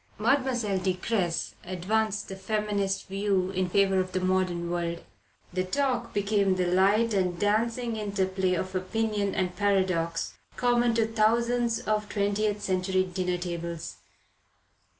Mademoiselle de Cressy advanced the feminist view in favour of the modern world. The talk became the light and dancing interplay of opinion and paradox common to thousands of twentieth century dinner tables.